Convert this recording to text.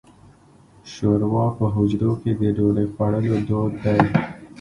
شوروا په حجرو کې د ډوډۍ خوړلو دود دی.